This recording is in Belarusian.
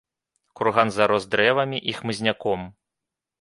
Курган зарос дрэвамі і хмызняком.